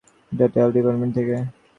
Title department থেকে।